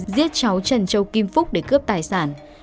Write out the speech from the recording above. giết cháu trần châu kim phúc để cướp tài sản